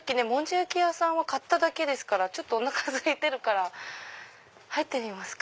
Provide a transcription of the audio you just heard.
焼き屋さんは買っただけですからおなかすいてるから入ってみますか。